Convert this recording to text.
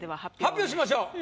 発表しましょう。